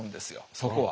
そこは。